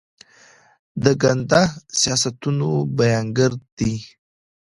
د ګنده سیاستونو بیانګر دي.